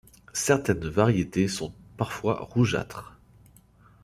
Certaines variétés sont parfois rougeâtres.